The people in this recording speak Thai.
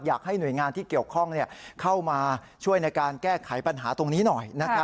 อยากให้หน่วยงานที่เกี่ยวข้องเข้ามาช่วยในการแก้ไขปัญหาตรงนี้หน่อย